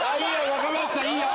若林さんいいよ！